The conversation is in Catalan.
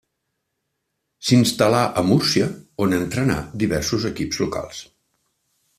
S'instal·là a Múrcia, on entrenà diversos equips locals.